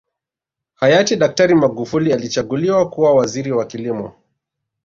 Hayati daktari Magufuli alichaguliwa kuwa Waziri wa kilimo